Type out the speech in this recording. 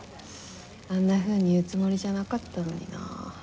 あんなふうに言うつもりじゃなかったのになあ。